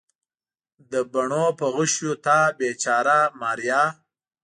د بڼو په غشیو تا بیچاره ماریا